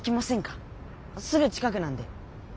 すぐ近くなんで。